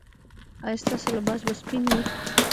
ایا ستاسو لباس به سپین وي؟